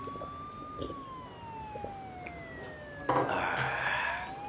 ああ。